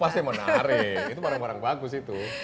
pasti menarik itu barang barang bagus itu